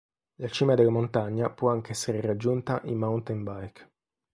La cima della montagna può anche essere raggiunta in mountain bike.